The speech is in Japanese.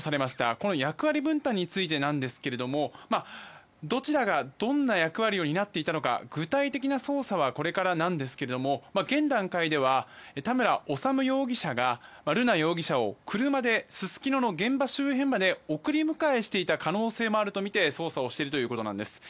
この役割分担についてなんですがどちらがどんな役割を担っていたのか具体的な捜査はこれからなんですが現段階では、田村修容疑者が瑠奈容疑者を車ですすきのの現場周辺まで送り迎えしていた可能性もあるとみて捜査をしているということです。